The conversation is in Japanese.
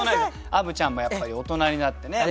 あぶちゃんもやっぱり大人になってね